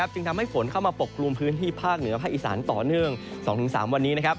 จึงทำให้ฝนเข้ามาปกกลุ่มพื้นที่ภาคเหนือภาคอีสานต่อเนื่อง๒๓วันนี้